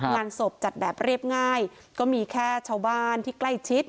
งานศพจัดแบบเรียบง่ายก็มีแค่ชาวบ้านที่ใกล้ชิด